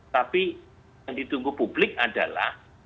jadi yang ditunggu publik adalah